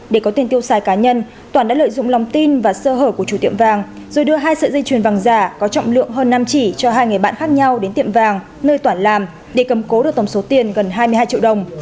để có tiền tiêu xài cá nhân toản đã lợi dụng lòng tin và sơ hở của chủ tiệm vàng rồi đưa hai sợi dây chuyền vàng giả có trọng lượng hơn năm chỉ cho hai người bạn khác nhau đến tiệm vàng nơi toản làm để cầm cố được tổng số tiền gần hai mươi hai triệu đồng